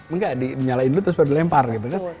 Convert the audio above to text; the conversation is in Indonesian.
enggak dinyalain dulu terus baru dilempar gitu kan